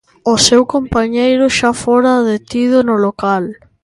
O seu compañeiro xa fora detido no local.